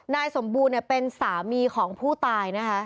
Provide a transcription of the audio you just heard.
นายสมบูรณ์เป็นสามีของผู้ตายนะคะ